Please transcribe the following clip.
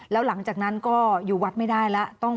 แล้วหลังจากนั้นก็อยู่วัดไม่ได้แล้ว